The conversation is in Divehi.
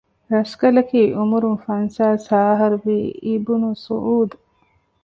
ރަސްކަލަކީ އުމުރުން ފަންސާސް ހަ އަހަރުވީ އިބްނު ސުޢޫދު